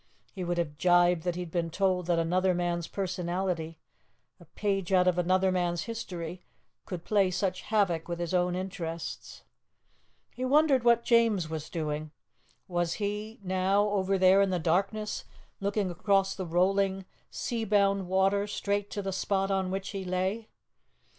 He would have gibed had he been told that another man's personality, a page out of another man's history, could play such havoc with his own interests. He wondered what James was doing. Was he now over there in the darkness, looking across the rolling, sea bound water straight to the spot on which he lay?